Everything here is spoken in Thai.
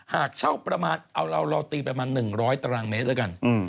หากเช่าประมาณเอาเราตีประมาณ๑๐๐ตารางเมตรแล้วกัน